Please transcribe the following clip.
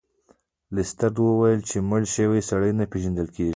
لیسټرډ وویل چې مړ شوی سړی نه پیژندل کیږي.